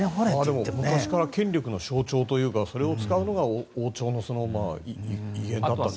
昔から権力の象徴というかそれを使うのが王朝の威厳だったから。